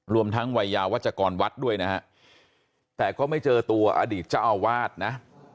รวมทั้งวัยยาววัชกรวัฒน์ด้วยนะแต่ไม่เจอตัวอดีตเจ้าวาทนะ